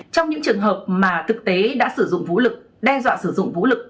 trong những trường hợp mà thực tế đã sử dụng vũ lực đe dọa sử dụng vũ lực